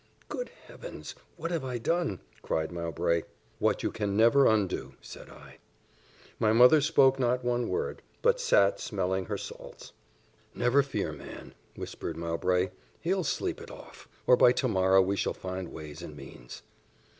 "Good Heavens! what have I done?" cried Mowbray. "What you can never undo," said I. My mother spoke not one word, but sat smelling her salts. "Never fear, man," whispered Mowbray; "he will sleep it off, or by to morrow we shall find ways and means."